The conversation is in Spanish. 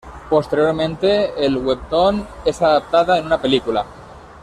Posteriormente el webtoon es adaptada en una película.